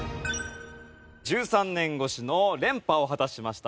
１３年越しの連覇を果たしました